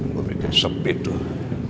gue bikin sempit tuh